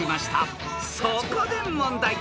［そこで問題］